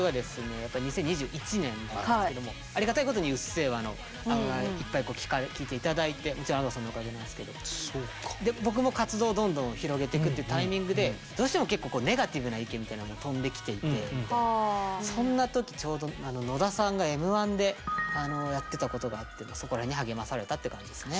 やっぱり２０２１年だったんですけどもありがたいことに「うっせぇわ」のいっぱい聴いて頂いてもちろんＡｄｏさんのおかげなんですけどで僕も活動をどんどん広げてくっていうタイミングでどうしても結構ネガティブな意見みたいなのも飛んできていてそんな時ちょうど野田さんがＭ−１でやってたことがあって励まされたって感じですね。